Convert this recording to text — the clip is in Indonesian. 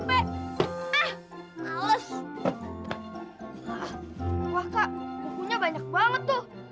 wah kak bukunya banyak banget tuh